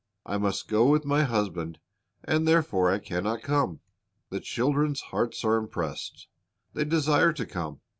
I must go with my husband, and therefore I can not come." The children's hearts are impressed. They desire to come.